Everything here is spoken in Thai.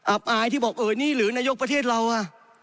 อับอายที่บอกนี่หรือนายกประเทศเรา